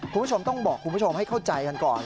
คุณผู้ชมต้องบอกคุณผู้ชมให้เข้าใจกันก่อน